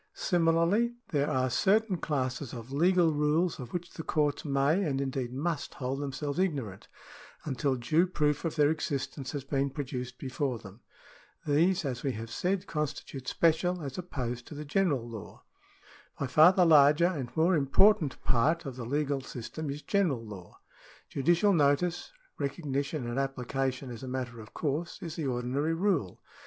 Similarly there §11] CIVIL LAW 29 are certain classes of legal rules of which the courts may, and indeed must, hold themselves ignorant, until due proof of their existence has been produced before them. These, as we have said, constitute special, as opposed to the general law. By far the larger and more important part of the legal system is general law. Judicial notice — recognition and application as a matter of course — is the ordinary rule.